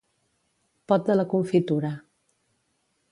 Pot de la confitura.